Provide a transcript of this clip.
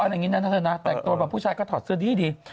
อะไรอย่างนี้นะเธอนะแต่งตัวแบบผู้ชายก็ถอดเสื้อดี